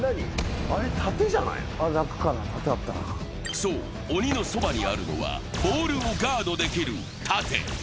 そう、鬼のそばにあるのはボールをガードできる盾。